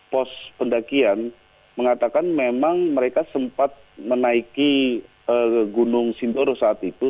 pos pendakian mengatakan memang mereka sempat menaiki gunung sindoro saat itu